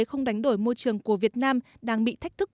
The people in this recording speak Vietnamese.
không đánh đổi môi trường của việt nam đang bị thách thức